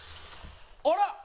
あら！？